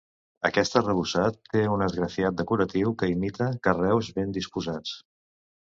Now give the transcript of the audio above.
Aquest arrebossat té un esgrafiat decoratiu que imita carreus ben disposats.